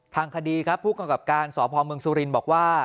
ทางคดีครับผู้กำกับการสพเมืองสุรินทร์บอกว่า